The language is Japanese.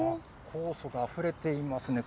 酵素があふれていますね。